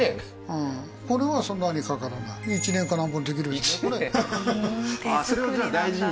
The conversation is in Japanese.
うんこれはそんなにかからない１年かなんぼでできる１年？